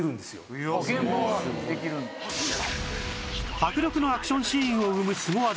迫力のアクションシーンを生むスゴ技